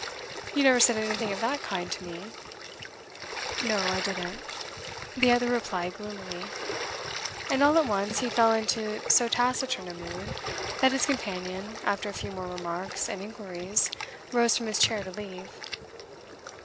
'You never said anything of that kind to me.' 'No, I didn't,' the other replied gloomily. And all at once he fell into so taciturn a mood, that his companion, after a few more remarks and inquiries, rose from his chair to leave.